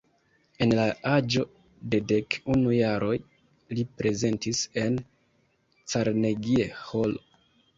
En la aĝo de dek unu jaroj li prezentis en Carnegie Hall.